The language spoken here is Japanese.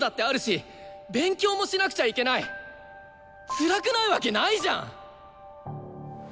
つらくないわけないじゃん！